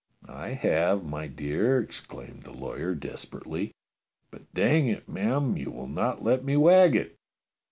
"I have, my dear," exclaimed the lawyer desper ately, "but dang it, ma'am, you will not let me wag it."